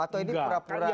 atau ini pura pura damai